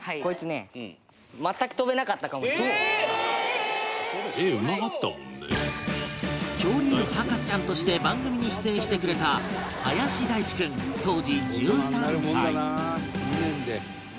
「絵うまかったもんね」恐竜博士ちゃんとして番組に出演してくれた林大智君当時１３歳